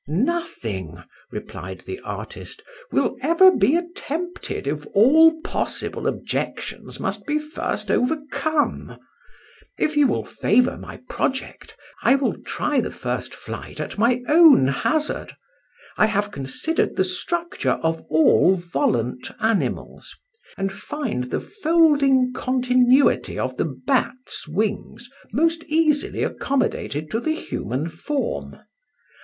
"Nothing," replied the artist, "will ever be attempted if all possible objections must be first overcome. If you will favour my project, I will try the first flight at my own hazard. I have considered the structure of all volant animals, and find the folding continuity of the bat's wings most easily accommodated to the human form.